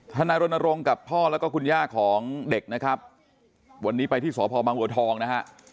ธนายโรนโรงกับพ่อและคุณย่าของเด็กนะครับวันนี้ไปที่สพบธนะฮะ